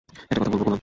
একটা কথা বলবো পুনাম?